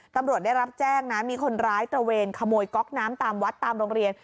ตำรวจได้รับแจ้งนะมีคนร้ายตระเวนขโมยก๊อกน้ำตามวัดตามโรงเรียน